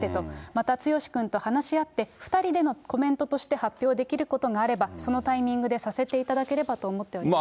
また剛君と話し合って、２人でのコメントとして発表できることがあれば、そのタイミングでさせていただければと思っておりますと。